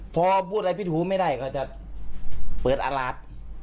พอพูดอะไรพิธุไม่ได้ก็จะเปิดอนาตราต